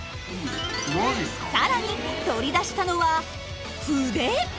更に取り出したのは筆！